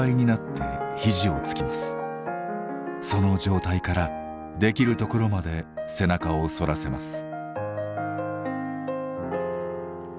その状態からできるところまで背中を反らせます。